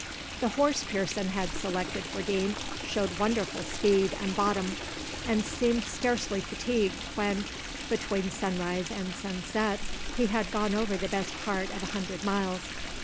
The horse Pearson had selected for Deane showed wonderful speed and bottom, and seemed scarcely fatigued when, between sunrise and sunset, he had gone over the best part of a hundred miles.